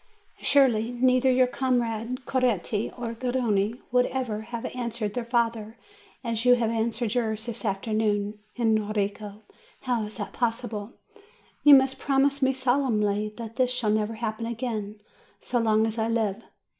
Surely, neither your comrade Coretti nor Garrone would ever have answered their fathers as you answered yours this afternoon. Enrico! How is it possible? 3 i8 JUNE You must promise me solemnly that this shall never happen again so long as I live.